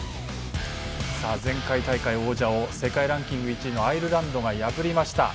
前回大会王者を世界ランキング１位のアイルランドが破りました。